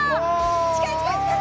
近い近い近い。